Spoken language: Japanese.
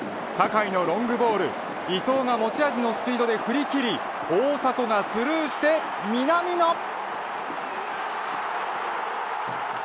酒井のロングボール伊東が持ち味のスピードで振り切り大迫がスルーして南野。